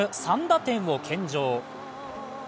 ３打点を献上。